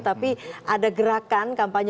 tapi ada gerakan kampanye dua ribu sembilan belas